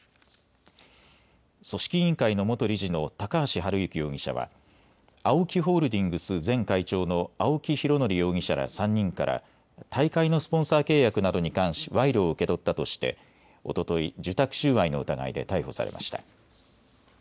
組織委員会の元理事の高橋治之容疑者はＡＯＫＩホールディングス前会長の青木拡憲容疑者ら３人から大会のスポンサー契約などに関し賄賂を受け取ったとしておととい受託収賄の疑いで逮捕されました。